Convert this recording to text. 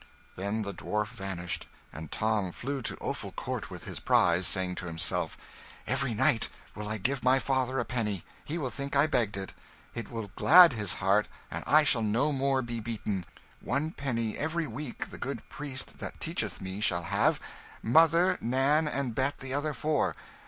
Then the dwarf vanished, and Tom flew to Offal Court with his prize, saying to himself, "Every night will I give my father a penny; he will think I begged it, it will glad his heart, and I shall no more be beaten. One penny every week the good priest that teacheth me shall have; mother, Nan, and Bet the other four.